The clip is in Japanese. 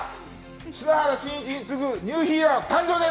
篠原信一に次ぐニューヒーロー誕生です。